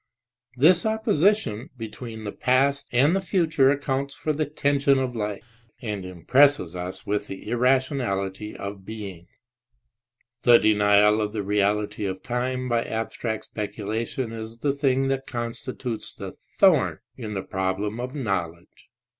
This opposition between the past and the future accounts for the tension of life and impresses us with the irrationality of being. The denial of the reality of time by abstract speculation KIERKEGAARD 203 is the thing that constitutes the thorn in the problem of knowledge.